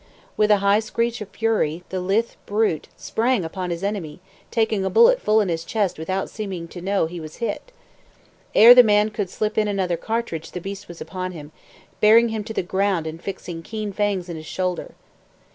With a high screech of fury, the lithe brute sprang upon his enemy, taking a bullet full in his chest without seeming to know he was hit. Ere the man could slip in another cartridge the beast was upon him, bearing him to the ground and fixing keen fangs in his shoulder.